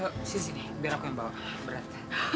yuk sini sini biar aku yang bawa berat